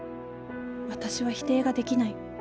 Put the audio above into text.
私は否定ができない。